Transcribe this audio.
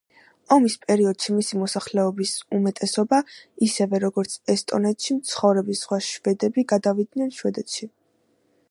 ომის პერიოდში მისი მოსახლეობის უმეტესობა, ისევე როგორც ესტონეთში მცხოვრები სხვა შვედები გადავიდნენ შვედეთში.